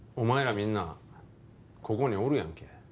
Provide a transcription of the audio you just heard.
みんなここにおるやんけ。